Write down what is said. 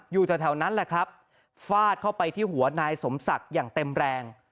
อยู่แถวนั้นแหละครับฟาดเข้าไปที่หัวนายสมศักดิ์อย่างเต็มแรง